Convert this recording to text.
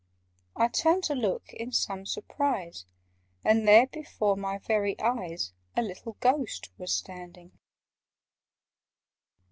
I turned to look in some surprise, And there, before my very eyes, A little Ghost was standing!